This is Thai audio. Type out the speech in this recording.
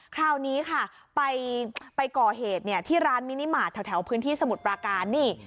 คราวนี้ค่ะไปก่อเหตุที่ร้านมินิมาตรแถวพื้นที่สมุทรปราการนี่